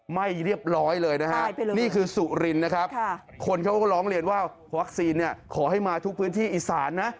ไม่เรียบร้อยเลยนะฮะนี่คือสุรินนะครับคนเขาก็ร้องเรียนว่าวัคซีนเนี่ยขอให้มาทุกพื้นที่อีสานนะ